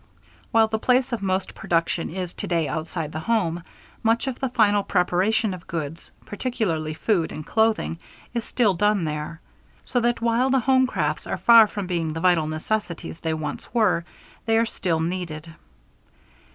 While the place of most production is to day outside the home, much of the final preparation of goods, particularly food and clothing, is still done there. So that, while the homecrafts are far from being the vital necessities they once were, they are still needed.